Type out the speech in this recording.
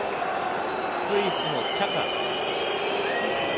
スイスのチャカ。